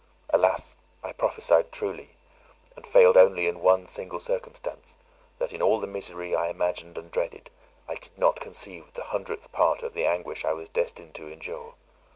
Alas! I prophesied truly, and failed only in one single circumstance, that in all the misery I imagined and dreaded, I did not conceive the hundredth part of the anguish I was destined to endure.